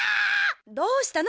どうしたの？